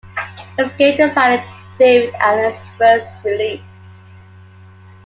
It was game designer David Allen's first release.